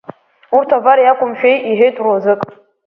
Урҭ авариа иақәымшәеи, — иҳәеит руаӡәк.